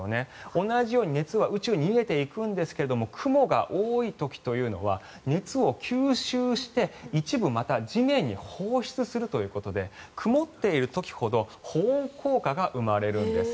同じように熱は宇宙に逃げていくんですが雲が多い時というのは熱を吸収して一部また地面に放出するということで曇っている時ほど保温効果が生まれるんです。